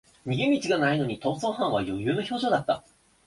逃げ道がないのに逃走犯は余裕の表情だった